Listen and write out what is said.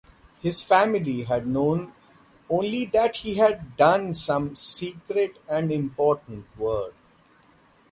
His family had known only that he had done some 'secret and important' work.